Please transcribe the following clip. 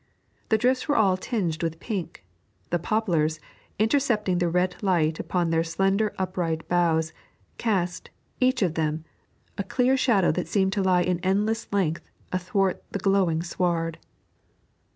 The drifts were all tinged with pink; the poplars, intercepting the red light upon their slender upright boughs, cast, each of them, a clear shadow that seemed to lie in endless length athwart the glowing sward.